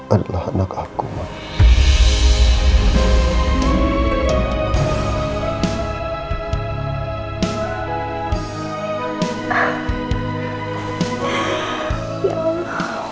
adalah anak aku mas